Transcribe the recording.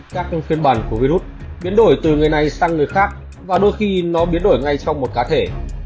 các phiên bản của virus biến đổi từ người này sang người khác và đôi khi nó biến đổi ngay trong một cá thể